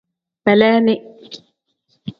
Beleeni.